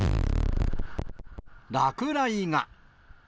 落雷が。